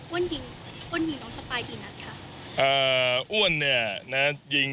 อ้วนยิงอ้วนยิงน้องสปายที่นั้นค่ะ